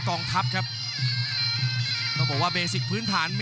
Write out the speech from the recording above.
กรุงฝาพัดจินด้า